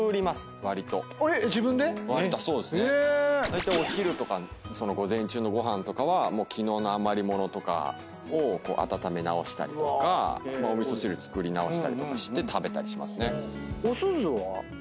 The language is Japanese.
だいたいお昼とか午前中のご飯とかは昨日の余り物とかを温め直したりとかお味噌汁作り直したりとかして食べたりしますね。